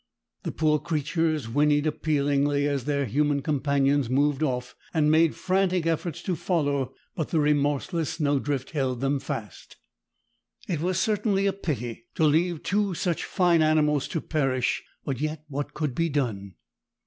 The poor creatures whinnied appealingly as their human companions moved off, and made frantic efforts to follow, but the remorseless snow drift held them fast. [Illustration: "THE POOR CREATURES WHINNIED APPEALINGLY."] It was certainly a pity to leave two such fine animals to perish, but yet what could be done?